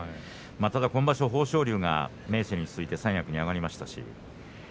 ただ今場所、豊昇龍が明生に続いて三役に上がりました。